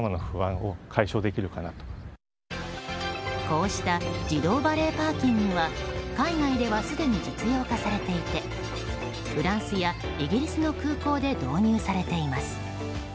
こうした自動バレーパーキングは海外ではすでに実用化されていてフランスやイギリスの空港で導入されています。